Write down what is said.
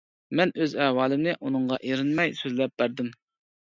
مەن ئۆز ئەھۋالىمنى ئۇنىڭغا ئېرىنمەي سۆزلەپ بەردىم.